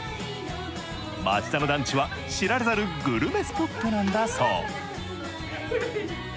町田の団地は知られざるグルメスポットなんだそう。